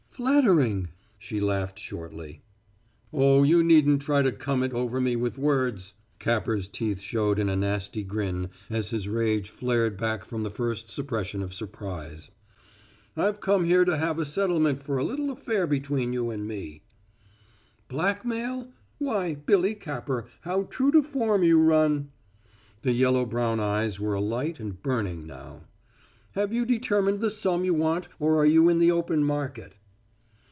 "Flattering!" She laughed shortly. "Oh, you needn't try to come it over me with words!" Capper's teeth showed in a nasty grin as his rage flared back from the first suppression of surprise. "I've come here to have a settlement for a little affair between you and me." "Blackmail? Why, Billy Capper, how true to form you run!" The yellow brown eyes were alight and burning now. "Have you determined the sum you want or are you in the open market?"